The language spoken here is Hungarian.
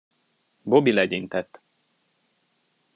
Bobby legyintett.